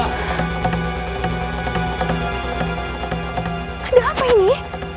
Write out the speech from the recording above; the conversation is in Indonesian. ada apa ini